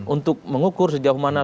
untuk mengukur sejauh mana